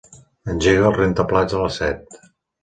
Engega el rentaplats a les set.